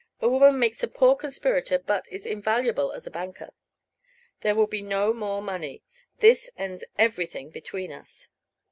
A woman makes a poor conspirator, but is invaluable as a banker." "There will be no more money. This ends everything between us."